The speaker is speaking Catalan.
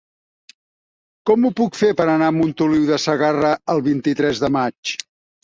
Com ho puc fer per anar a Montoliu de Segarra el vint-i-tres de maig?